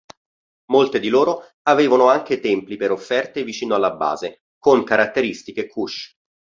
Molte di loro avevano anche templi per offerte vicino alla base, con caratteristiche Kush.